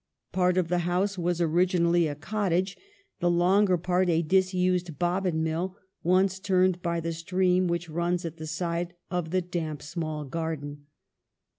Part of the house was originally a cottage ; the longer part a disused bobbin mill, once turned by the stream which runs at the side of the damp, small garden.